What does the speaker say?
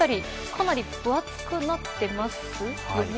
かなり分厚くなってますよね。